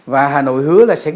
và hà nội hứa là sẽ